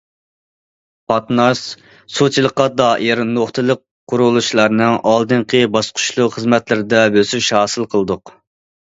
قاتناش، سۇچىلىققا دائىر نۇقتىلىق قۇرۇلۇشلارنىڭ ئالدىنقى باسقۇچلۇق خىزمەتلىرىدە بۆسۈش ھاسىل قىلدۇق.